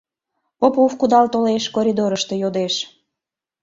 Попов кудал толеш, коридорышто йодеш: